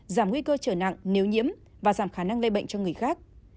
giảm nguy cơ trở nặng nếu nhiễm và giảm khả năng lây bệnh cho người khác